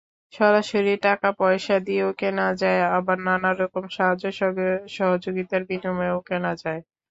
সরাসরি টাকাপয়সা দিয়েও কেনা যায়, আবার নানা রকম সাহায্য-সহযোগিতার বিনিময়েও কেনা যায়।